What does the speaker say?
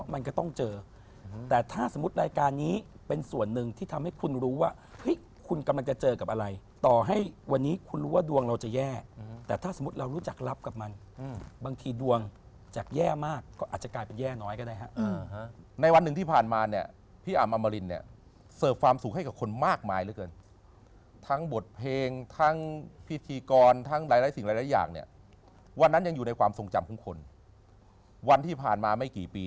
วันนี้คุณรู้ว่าดวงเราจะแย่แต่ถ้าสมมุติเรารู้จักลับกับมันบางทีดวงจากแย่มากก็อาจจะกลายเป็นแย่น้อยก็ได้ฮะในวันหนึ่งที่ผ่านมาเนี่ยพี่อำอมรินเนี่ยเสิร์ฟความสุขให้กับคนมากมายเหลือเกินทั้งบทเพลงทั้งพิธีกรทั้งหลายสิ่งหลายอย่างเนี่ยวันนั้นยังอยู่ในความทรงจำของคนวันที่ผ่